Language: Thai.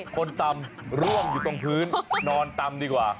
คนตำร่วงอยู่ตรงพื้นนอนตำดีกว่า